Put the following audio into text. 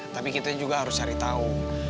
tapi kita juga harus cari tahu